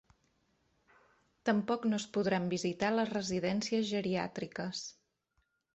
Tampoc no es podran visitar les residències geriàtriques.